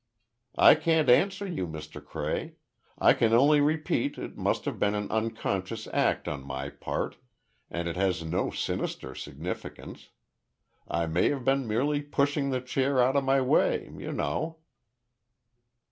"I can't answer you, Mr. Cray. I can only repeat it must have been an unconscious act on my part, and it has no sinister significance. I may have been merely pushing the chair out of my way, you know."